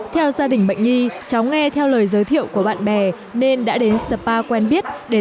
theo gia đình bệnh nhi cháu nghe theo lời giới thiệu của bạn bè nên đã đến spa quen biết để